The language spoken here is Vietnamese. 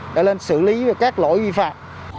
để lên xử lý các lỗi vi phạm